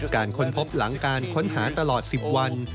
ค้นพบหลังการค้นหาตลอด๑๐วัน